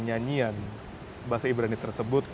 nyanyian bahasa ibrani tersebut